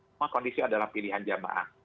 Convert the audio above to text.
semua kondisi adalah pilihan jamaah